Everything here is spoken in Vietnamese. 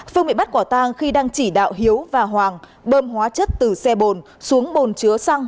phương bị bắt quả tang khi đang chỉ đạo hiếu và hoàng bơm hóa chất từ xe bồn xuống bồn chứa xăng